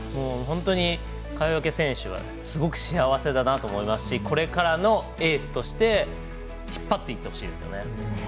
本当に川除選手はすごく幸せだなと思いますしこれからのエースとして引っ張っていってほしいです。